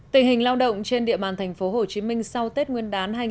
tình hình lao động trên địa bàn tp hcm sau tết nguyên đán